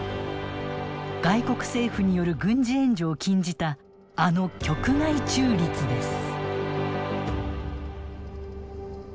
外国政府による軍事援助を禁じたあの局外中立です。